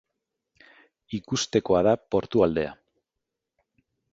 Ikustekoa da portu aldea.